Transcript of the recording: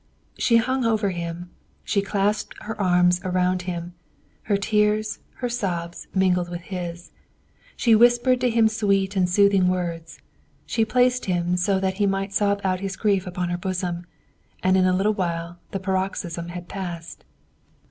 She hung over him; she clasped her arms around him; her tears, her sobs, mingling with his. She whispered to him sweet and soothing words; she placed him so that he might sob out his grief upon her bosom; and in a little while the paroxysm had passed.